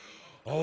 あ！